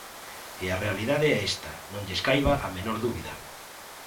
E a realidade é esta, non lles caiba a menor dúbida.